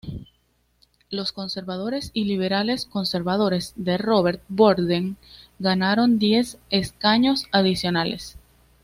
Los conservadores y liberales-conservadores de Robert Borden ganaron diez escaños adicionales.